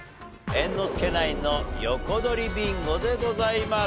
猿之助ナインの横取りビンゴでございます。